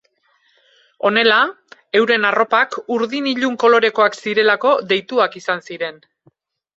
Honela, euren arropak, urdin ilun kolorekoak zirelako deituak izan ziren.